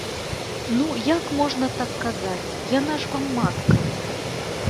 Ну, як можна так казаць, яна ж вам матка.